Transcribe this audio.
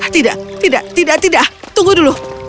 tidak tidak tidak tunggu dulu